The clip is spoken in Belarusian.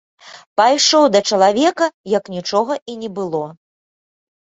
Пайшоў да чалавека, як нічога і не было.